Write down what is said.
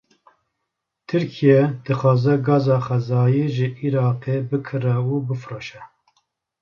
Tirkiye, dixwaze gaza xwezayî ji Îraqê bikire û bifroşe